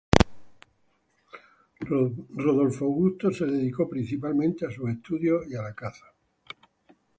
Rudolf August se dedicó principalmente, a sus estudios y a la caza.